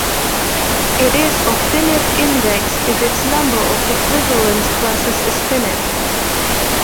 It is of finite index if its number of equivalence-classes is finite.